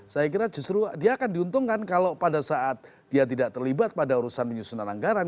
saya kira justru dia akan diuntungkan kalau pada saat dia tidak terlibat pada urusan penyusunan anggaran